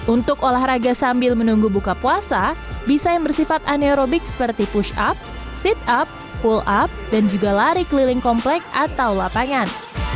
untuk olahraga sambil menunggu buka puasa bisa yang bersifat aerobik seperti push up sit up pull up dan juga lari keliling komplek atau lapangan